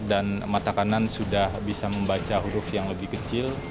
dan mata kanan sudah bisa membaca huruf yang lebih kecil